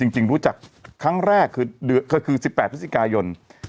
จริงรู้จักครั้งแรกคือ๑๘พฤศจิกายน